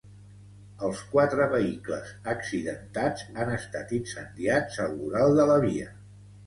Els quatre vehicles accidentats han estat incendiats al voral de la via.